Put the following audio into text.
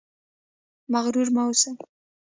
مغرور مه اوسئ